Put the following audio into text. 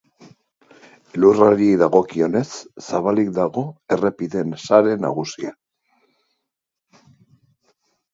Elurrari dagokionez, zabalik dago errepide sare nagusia.